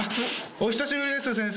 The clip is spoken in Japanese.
お久しぶりです、先生。